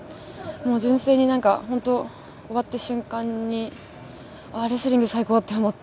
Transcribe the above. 純粋に何か、本当、終わった瞬間に、ああ、レスリング最高って思って。